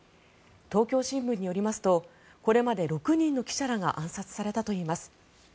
東京新聞によりますとこれまで６人の記者らが暗殺されたといいます。